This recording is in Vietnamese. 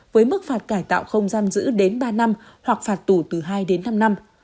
với mức phạt cải tạo không giam giữ đến ba năm hoặc phạt tù từ hai đến năm năm